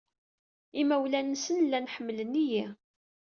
Imawlan-nsen llan ḥemmlen-iyi.